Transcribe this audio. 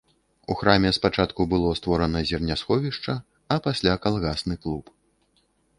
У храме спачатку было створана зернясховішча, а пасля калгасны клуб.